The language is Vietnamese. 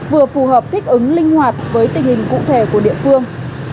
vừa phù hợp thích ứng linh hoạt với tình hình cụ thể của địa phương